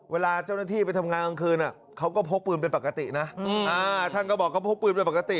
เวลาเจ้าหน้าที่ไปทำงานกลางคืนเขาก็พกปืนเป็นปกตินะท่านก็บอกก็พกปืนไปปกติ